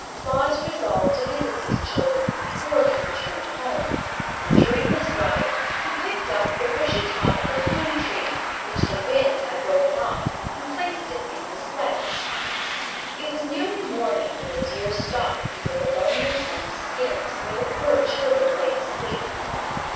Claus resolved to visit these children before he returned home, and during his ride he picked up the bushy top of a pine tree which the wind had broken off and placed it in his sledge. It was nearly morning when the deer stopped before the lonely tent of skins where the poor children lay asleep.